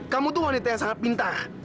kamu tuh wanita yang sangat pintar